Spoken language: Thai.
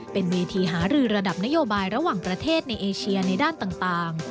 เป็นเวทีหารือระดับนโยบายระหว่างประเทศในเอเชียในด้านต่าง